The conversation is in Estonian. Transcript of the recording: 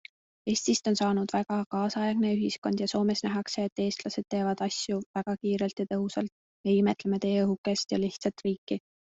Eestist on saanud väga kaasaegne ühiskond ja Soomes nähakse, et eestlased teevad asju väga kiirelt ja tõhusalt, me imetleme teie õhukest ja lihtsat riiki.